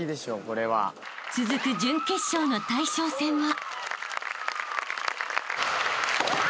［続く準決勝の大将戦は］